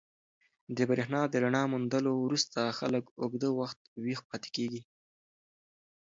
د برېښنا د رڼا موندلو وروسته خلک اوږده وخت ویښ پاتې کېږي.